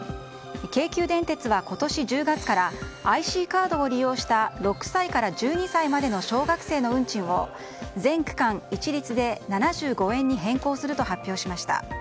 京急電鉄は今年１０月からＩＣカードを利用した６歳から１２歳までの小学生の運賃を全区間一律で７５円に変更すると発表しました。